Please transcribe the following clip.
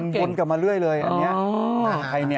วนกลับมาเรื่อยเลยอันนี้